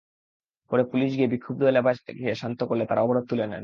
পরে পুলিশ গিয়ে বিক্ষুব্ধ এলাকাবাসীকে শান্ত করলে তাঁরা অবরোধ তুলে নেন।